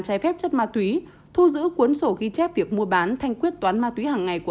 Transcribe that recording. trái phép chất ma túy thu giữ cuốn sổ ghi chép việc mua bán thanh quyết toán ma túy hàng ngày của